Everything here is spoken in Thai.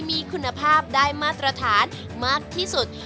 มีคุณภาพได้มาตรฐานมากที่สุด